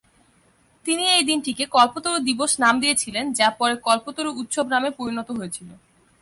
তিনিই এই দিনটিকে কল্পতরু দিবস নাম দিয়েছিলেন, যা পরে কল্পতরু উৎসব নামে পরিণত হয়েছিল।